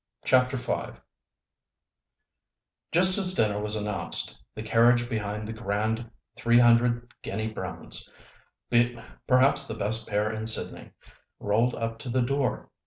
CHAPTER V Just as dinner was announced, the carriage behind the grand three hundred guinea browns—perhaps the best pair in Sydney—rolled up to the door.